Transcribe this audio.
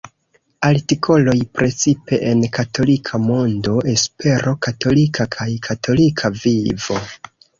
Artikoloj precipe en Katolika Mondo, Espero Katolika kaj Katolika Vivo.